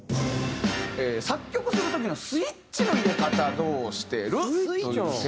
作曲する時のスイッチの入れ方どうしてる？というテーマですが。